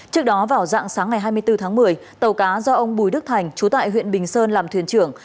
trước đó vào dạng sáng ngày hai mươi bốn tháng một mươi tàu cá do ông bùi đức thành chú tại huyện bình sơn làm thuyền trưởng